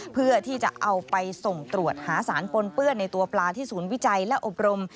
เพื่อที่จะเอาไปส่งตรวจหาสารปนเปื้อนในตัวปลาที่ศูนย์วิจัยและอบรม